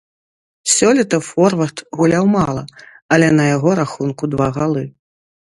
Сёлета форвард гуляў мала, але на яго рахунку два галы.